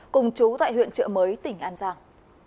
cùng chú tại huyện trợ mới tỉnh an giang